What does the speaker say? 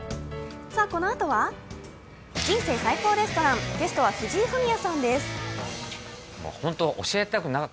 このあとは「人生最高レストラン」ゲストは藤井フミヤさんです。